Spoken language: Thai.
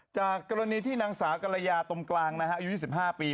จากกรณีที่นางสาวกรยาตรงกลางอายุ๒๕ปี